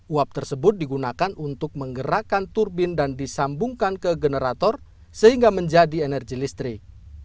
uap tersebut digunakan untuk menggerakkan turbin dan disambungkan ke generator sehingga menjadi energi listrik